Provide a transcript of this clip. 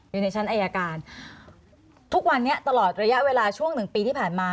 อยู่ในชั้นอายการทุกวันนี้ตลอดระยะเวลาช่วงหนึ่งปีที่ผ่านมา